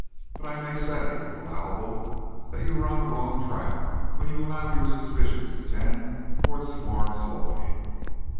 But I may say, if allowable, that you are on the wrong track when you allow your suspicions to tend towards Florence Lloyd."